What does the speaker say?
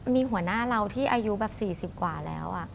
มีหัวหน้าเราที่อายุแบบ๔๐กว่าแล้ว